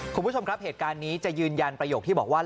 คุณผู้ชมครับเหตุการณ์นี้จะยืนยันประโยคที่บอกว่า